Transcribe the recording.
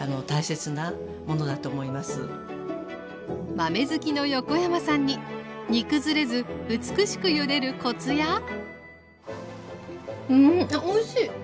豆好きの横山さんに煮崩れず美しくゆでるコツやうんあっおいしい！